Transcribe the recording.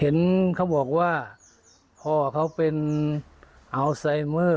เห็นเขาบอกว่าพ่อเขาเป็นอัลไซเมอร์